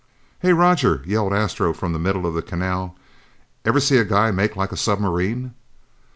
"Hey, Roger," yelled Astro from the middle of the canal, "ever see a guy make like a submarine?"